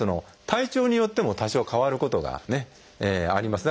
体調によっても多少変わることがあります。